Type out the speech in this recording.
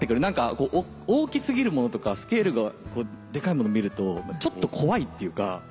何か大き過ぎるものとかスケールがでかいものを見るとちょっと怖いっていうか。